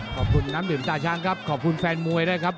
ขอบคุณน้ำดื่มตาช้างครับขอบคุณแฟนมวยด้วยครับ